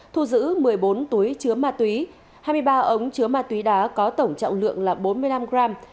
thu giữ một mươi bốn túi chứa ma túy hai mươi ba ống chứa ma túy đá có tổng trọng lượng là bốn mươi năm gram